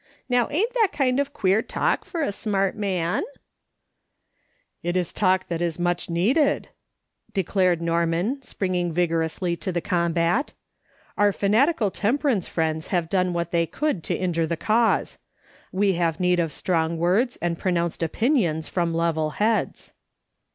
Now ain't that kind of queer talk for a smart man ?"" It is talk that is much needed/' declared Nor man, springing vigorously to the combat. " Our fanatical temperance friends have done what they T 274 ^^^' S". SOLOMON SMITH LOOKING ON. could to injure the cause. We have need of strong words and pronounced opinions from level heads."